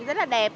rất là đẹp